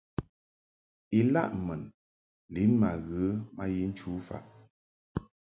Ilaʼ mun lin ma ghə ma yi nchu faʼ.